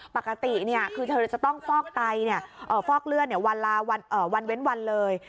ปกติคือเธอจะต้องฟอกไตฟอกเลือดวันเว้นวันเลย